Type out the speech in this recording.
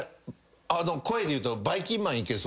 声でいうと。